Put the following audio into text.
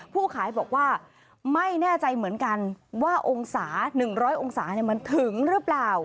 ผู้ขายบอกว่าไม่แน่ใจเหมือนกันว่าองศา๑๐๐องศามันถึงหรือเปล่า